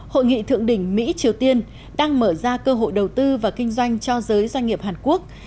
hội nghị thượng đỉnh mỹ triều tiên đang mở ra cơ hội đầu tư và kinh doanh cho giới doanh nghiệp hàn quốc